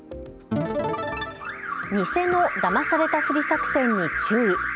偽のだまされたふり作戦に注意。